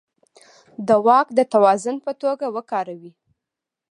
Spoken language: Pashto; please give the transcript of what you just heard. د واک د توازن په توګه وکاروي.